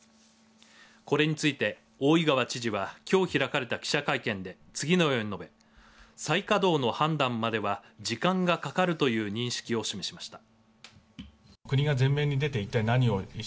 これについて大井川知事はきょう開かれた記者会見で次のように述べ再稼働の判断までは時間がかかるという認識を示しました。